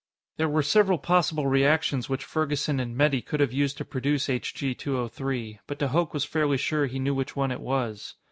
There were several possible reactions which Ferguson and Metty could have used to produce Hg 203, but de Hooch was fairly sure he knew which one it was.